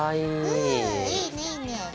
うんいいねいいね。